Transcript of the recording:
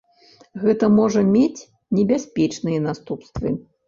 Гэта можа мець небяспечныя наступствы.